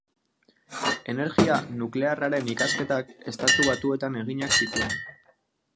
Energia nuklearraren ikasketak Estatu Batuetan eginak zituen.